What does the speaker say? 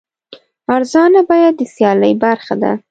ارزانه بیه د سیالۍ برخه ده.